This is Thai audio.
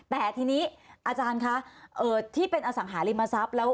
แต่ทีนี้อาจารย์คะที่เป็นอสังหาริมทรัพย์